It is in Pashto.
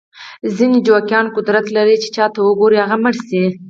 ځینې جوګیان قدرت لري چې چاته وګوري هغه مړ شي.